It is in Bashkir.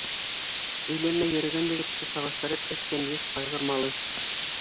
Өйләнмәй йөрөгән егетте сағыштырып әйткән йәш айғыр малы.